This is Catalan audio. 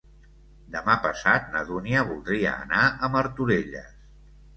Demà passat na Dúnia voldria anar a Martorelles.